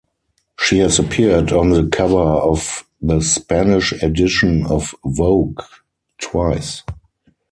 She has appeared on the cover of the Spanish edition of "Vogue" twice.